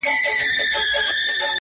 څه رنګه سپوږمۍ ده له څراغه يې رڼا وړې،